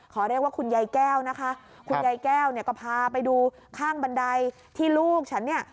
เรียกว่าคุณยายแก้วนะคะคุณยายแก้วเนี่ยก็พาไปดูข้างบันไดที่ลูกฉันเนี่ย